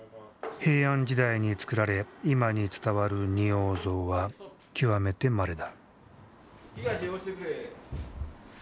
平安時代につくられ今に伝わる仁王像は極めてまれだ。